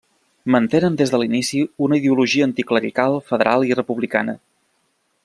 Mantenen des de l'inici una ideologia anticlerical, federal i republicana.